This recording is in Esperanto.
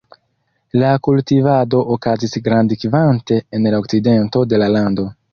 La kultivado okazis grandkvante en la okcidento de la lando.